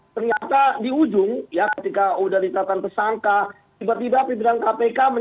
ternyata di ujung ya ketika sudah ditetapkan pesan ya itu adalah proses yang diperlukan oleh kepala pengawasan